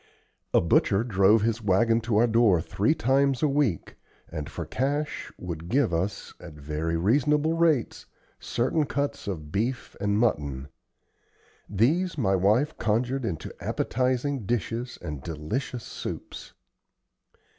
A butcher drove his wagon to our door three times a week and, for cash, would give us, at very reasonable rates, certain cuts of beef and mutton. These my wife conjured into appetizing dishes and delicious soups.